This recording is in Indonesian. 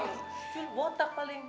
yul botak paling